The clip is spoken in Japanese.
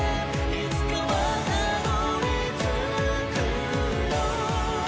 いつかはたどり着くよ」